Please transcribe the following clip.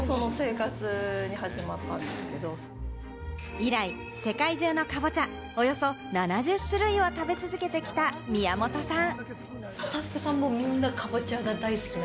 以来、世界中のカボチャおよそ７０種類を食べ続けてきた、宮本さん。